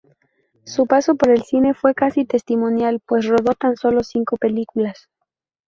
Su paso por el cine fue casi testimonial pues rodó tan solo cinco películas.